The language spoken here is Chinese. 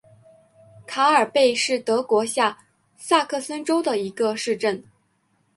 卡尔贝是德国下萨克森州的一个市镇。